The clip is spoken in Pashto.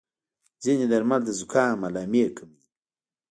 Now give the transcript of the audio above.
ځینې درمل د زکام علامې کموي.